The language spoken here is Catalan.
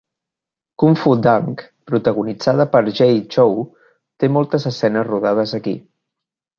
"Kung Fu Dunk", protagonitzada per Jay Chou, té moltes escenes rodades aquí.